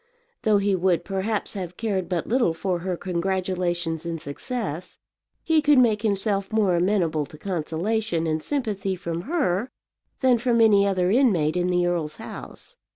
Though he would perhaps have cared but little for her congratulations in success, he could make himself more amenable to consolation and sympathy from her than from any other inmate in the earl's house.